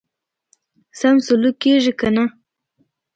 سم سلوک کیږي کنه.